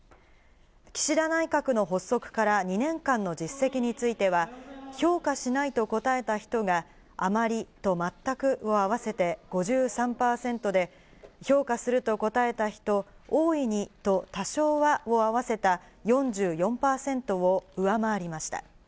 岸田内閣の発足から２年間の実績については評価しないと答えた人が、「あまり」と「全く」を合わせて５３％で評価すると答えた人、「大いに」と「多少は」を合わせた４４％を上回りました。